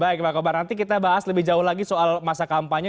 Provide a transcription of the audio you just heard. baik pak kobar nanti kita bahas lebih jauh lagi soal masa kampanye